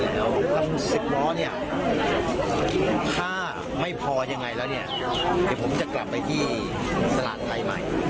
แล้วตั้งสิบบ้อนี่ค่าไม่พอยังไงแล้วผมจะกลับไปที่สลานไทยใหม่